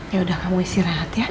yaudah kamu istirahat ya